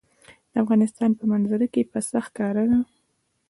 د افغانستان په منظره کې پسه ښکاره ده.